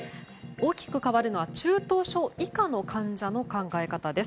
大きく変わるのは中等症以下の患者の考え方です。